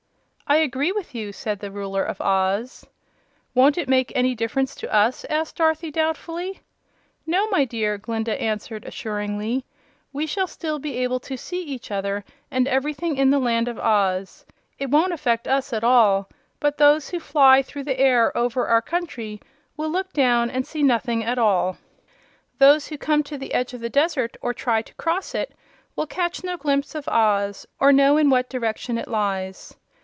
"I agree with you," said the Ruler of Oz. "Won't it make any difference to us?" asked Dorothy, doubtfully. "No, my dear," Glinda answered, assuringly. "We shall still be able to see each other and everything in the Land of Oz. It won't affect us at all; but those who fly through the air over our country will look down and see nothing at all. Those who come to the edge of the desert, or try to cross it, will catch no glimpse of Oz, or know in what direction it lies.